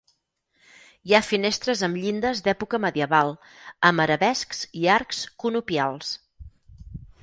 Hi ha finestres amb llindes d'època medieval, amb arabescs i arcs conopials.